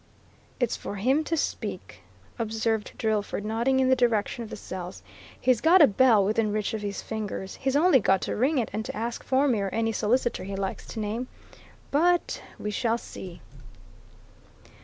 "It's for him to speak," observed Drillford, nodding in the direction of the cells. "He's got a bell within reach of his fingers; he's only got to ring it and to ask for me or any solicitor he likes to name. But we shall see!"